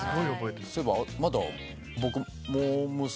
そういえばまだ僕モー娘。